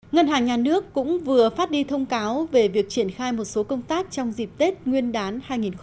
ngân hàng nhà nước cũng vừa phát đi thông cáo về việc triển khai một số công tác trong dịp tết nguyên đán hai nghìn hai mươi